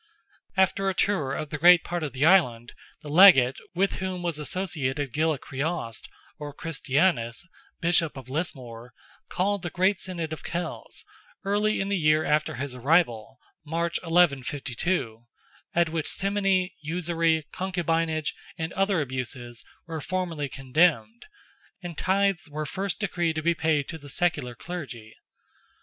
After a tour of great part of the Island, the Legate, with whom was associated Gilla Criost, or Christianus, Bishop of Lismore, called the great Synod of Kells, early in the year after his arrival (March, 1152), at which simony, usury, concubinage, and other abuses, were formally condemned, and tithes were first decreed to be paid to the secular clergy.